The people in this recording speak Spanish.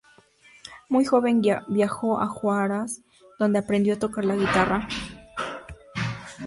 Muy joven viajó a Huaraz donde aprendió a tocar la guitarra.